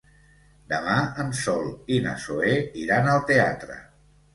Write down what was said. Demà en Sol i na Zoè iran al teatre.